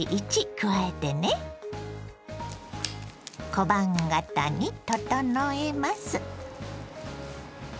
小判形に整えます。